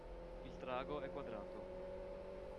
Il trago è quadrato.